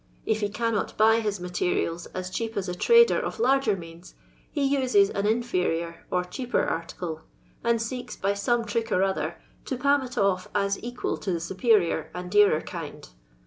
U he I cannot btiy his materials as cheap as a trader of larger means, he uses an inferior or cheaper article, and seeks by some trick or other to palm it off as equal to the superior and dearer kind.